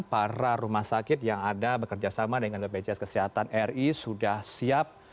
para rumah sakit yang ada bekerjasama dengan bpjs kesehatan ri sudah siap